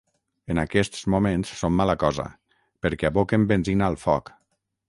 En aquests moments són mala cosa, perquè aboquen benzina al foc.